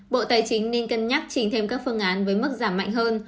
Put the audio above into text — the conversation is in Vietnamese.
bộ tài chính nên cân nhắc trình thêm các phương án với mức giảm mạnh hơn